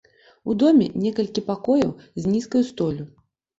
У доме некалькі пакояў з нізкаю столлю.